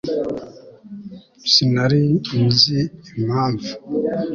sinari nzi impamvu